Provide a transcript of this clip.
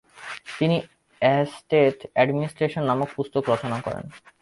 তিনি estate administration নামক পুস্তক রচনা করেন।